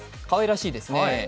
かわいらしいですね。